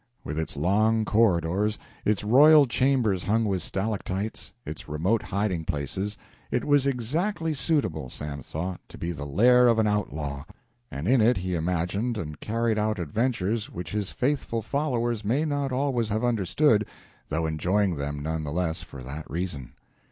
With its long corridors, its royal chambers hung with stalactites, its remote hiding places, it was exactly suitable, Sam thought, to be the lair of an outlaw, and in it he imagined and carried out adventures which his faithful followers may not always have understood, though enjoying them none the less for that reason.